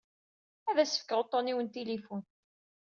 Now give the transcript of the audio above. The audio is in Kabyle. Ad as-fkeɣ uṭṭun-iw n tilifun.